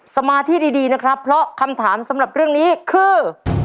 สมาธิดีนะครับเพราะคำถามสำหรับเรื่องนี้คือ